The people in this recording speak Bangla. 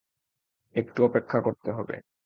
একটু অপেক্ষা করতে হবে।